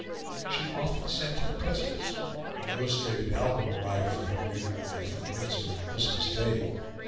She often sent him presents; an illustrated album arrived for him regularly from Windsor on Christmas Day.